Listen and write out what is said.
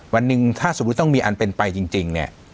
วันหนึ่งถ้าสมมุติต้องมีอันเป็นไปจริงเนี่ย